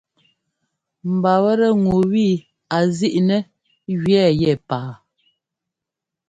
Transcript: Mba wɛ́tɛ́ ŋu wi a zíʼnɛ́ jʉ́ɛ́ yɛ paa.